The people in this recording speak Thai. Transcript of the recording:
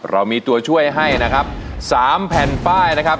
เรามีตัวช่วยให้นะครับ๓แผ่นป้ายนะครับ